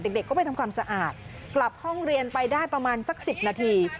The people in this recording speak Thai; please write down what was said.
เด็กก็ไปทำความสะอาดกลับห้องเรียนไปได้ประมาณสัก๑๐นาที